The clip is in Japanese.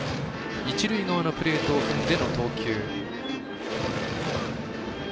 一塁側のプレートを踏んでの投球。